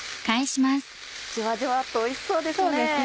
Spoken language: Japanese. ジワジワっとおいしそうですね。